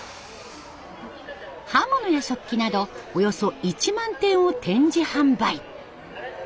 刃物や食器などおよそ１万点を展示販売。